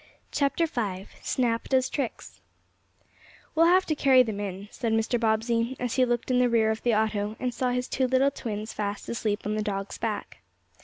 CHAPTER V SNAP DOES TRICKS "WE'LL have to carry them in," said Mr. Bobbsey, as he looked in the rear of the auto, and saw his two little twins fast asleep on the dog's back.